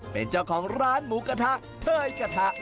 เป็นเจ้าของร้านหมูกระทะเทยกระทะ